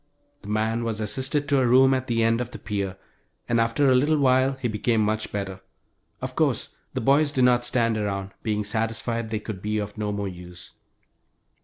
The man was assisted to a room at the end of the pier, and after a little while he became much better. Of course the boys did not stand around, being satisfied they could be of no more use.